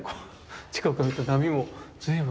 近くで見ると波も随分。